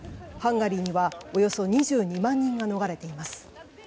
ハンガリーにはおよそ２２万人が逃れています。